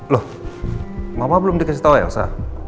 loh mama belum dikasih tahu elsa